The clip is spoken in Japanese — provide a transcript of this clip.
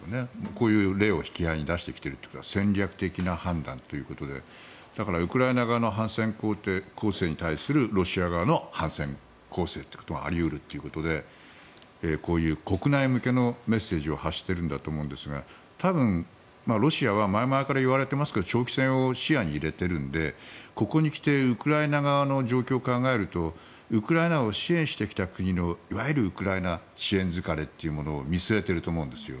こういう例を引き合いに出してきているということは戦略的な判断ということでだからウクライナ側の反転攻勢に対するロシア側の反転攻勢ということもあり得るということでこういう国内向けのメッセージを発しているんだと思うんですが多分、ロシアは前々から言われていますが長期戦を視野に入れているのでここに来てウクライナ側の状況を考えるとウクライナを支援してきた国のいわゆるウクライナ支援疲れというものを見据えていると思うんです。